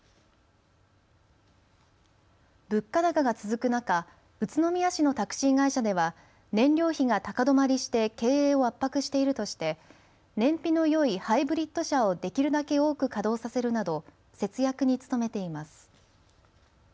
物価高が続く中、宇都宮市のタクシー会社では燃料費が高止まりして経営を圧迫しているとして燃費のよいハイブリッド車をできるだけ多く稼働させるなど節約に努めています。